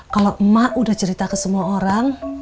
kalau emak udah cerita ke semua orang